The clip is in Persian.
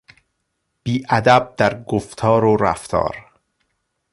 بیادب در گفتار و رفتار